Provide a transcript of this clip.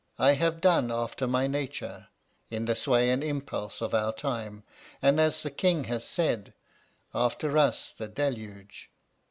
'I have done after my nature, in the sway and impulse of our time, and as the King has said, After us the deluge.